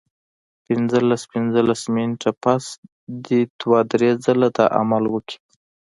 پنځلس پنځلس منټه پس دې دوه درې ځله دا عمل وکړي